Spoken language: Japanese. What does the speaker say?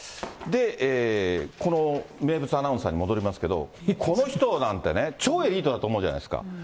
この名物アナウンサーに戻りますけど、この人なんてね、超エリートだと思うじゃないですか。